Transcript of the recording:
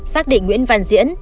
xác định nguyễn văn diễn